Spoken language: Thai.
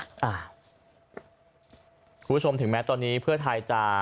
คุณผู้ชมถึงแม้ตอนนี้เพื่อไทยจะ